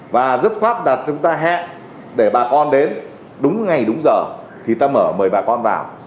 và dứt khoát là chúng ta hẹn để bà con đến đúng ngày đúng giờ thì ta mở mời bà con vào